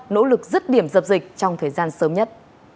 nỗ lực rứt điểm dập dịch trong thời gian sớm nhất